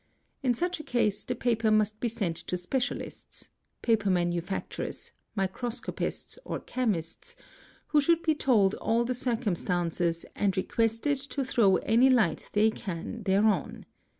In such a case the paper must be sent to specialists (paper manufacturers, microscopists, or chemists), who should be told all the circumstances and requested to throw any hght they can thereon.